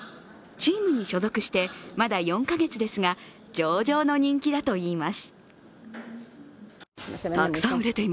チームに所属して、まだ４か月ですが上々の人気だといいます。